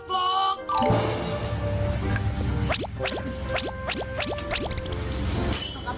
ใครไม่รู้